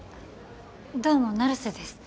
どうも成瀬です